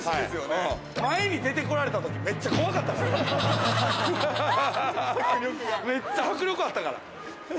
前に出てこられたとき、めっちゃ迫力あったから。